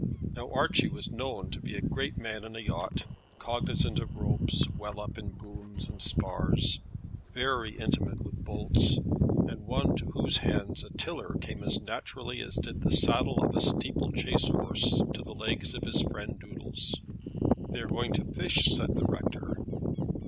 Now Archie was known to be a great man in a yacht, cognizant of ropes, well up in booms and spars, very intimate with bolts, and one to whose hands a tiller came as naturally as did the saddle of a steeple chase horse to the legs of his friend Doodles. "They are going to fish," said the rector.